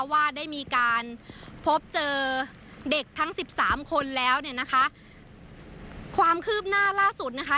ว่าได้มีการพบเจอเด็กทั้งสิบสามคนแล้วเนี่ยนะคะความคืบหน้าล่าสุดนะคะ